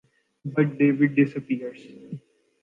But David disappears.